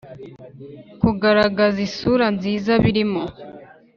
Kugaragaza isura nziza birimo